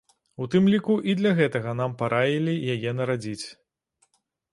У тым ліку, і для гэтага нам і параілі яе нарадзіць.